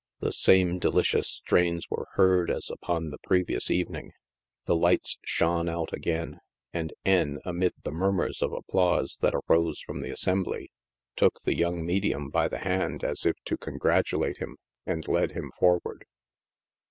The same de licious strains were heard as upon the previous evening. The lights shone out again, and " N," amid the murmurs of applause that arose from the assembly, took the young medium by the hand as if to congratulate him, and led him forward.